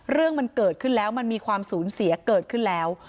เรื่องมันเกิดขึ้นแล้วมันมีความสูญเสียเกิดขึ้นแล้ว